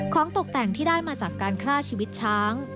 ตกแต่งที่ได้มาจากการฆ่าชีวิตช้าง